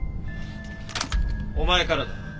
お前からだ。